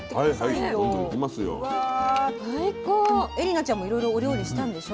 でも絵里奈ちゃんもいろいろお料理したんでしょ？